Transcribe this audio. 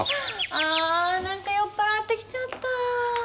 あ何か酔っ払ってきちゃった。